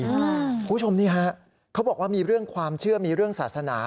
นี่ฮะเขาบอกว่ามีเรื่องความเชื่อมีเรื่องศาสนา